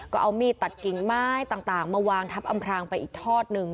ก็เอามีดตัดกิ่งไม้ต่างมาวางทับอำพรางไปอีกทอดหนึ่ง